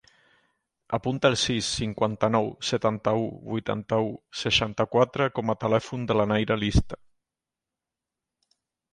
Apunta el sis, cinquanta-nou, setanta-u, vuitanta-u, seixanta-quatre com a telèfon de la Nayra Lista.